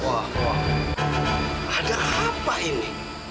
ada apa ini